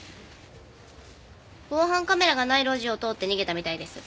防犯カメラがない路地を通って逃げたみたいです。